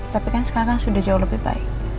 tapi kan sekarang sudah jauh lebih baik